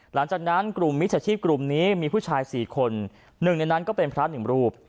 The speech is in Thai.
หลังจากนั้นกลุ่มมิจฉาชีพกลุ่มนี้มีผู้ชายสี่คนหนึ่งในนั้นก็เป็นพระหนึ่งรูป